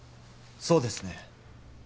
そうですね。